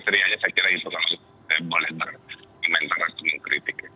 tapi saya kira ini sudah boleh dimengerti